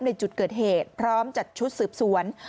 ในจุดเกิดเหตุพร้อมจัดชุดสืบสวน